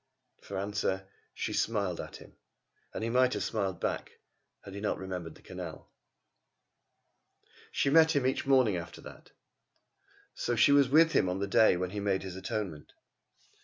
For answer she smiled at him, and he might have smiled back if he had not remembered the canal. She met him each morning after that, so that she was with him on the day when he made his atonement.